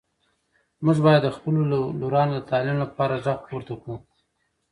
موږ باید د خپلو لورانو د تعلیم لپاره غږ پورته کړو.